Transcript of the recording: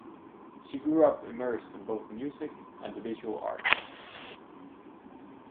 She grew up immersed in both music and the visual arts.